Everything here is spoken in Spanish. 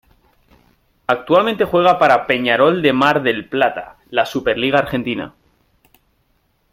Actualmente juega para Peñarol de Mar del Plata la SuperLiga Argentina.